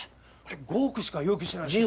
５億しか要求してないんですけど。